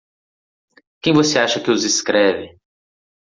Quem você acha que os escreve?